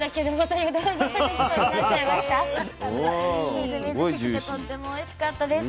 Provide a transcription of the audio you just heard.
みずみずしくてとってもおいしかったです。